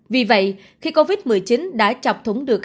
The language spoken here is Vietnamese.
vì vậy khi covid một mươi chín đã chọc thúng được